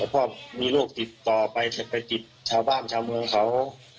พ่อมีโรคติดต่อไปไปติดชาวบ้านชาวเมืองเขา